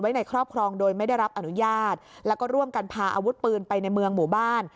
ในครอบครองโดยไม่ได้รับอนุญาตแล้วก็ร่วมกันพาอาวุธปืนไปในเมืองหมู่บ้าน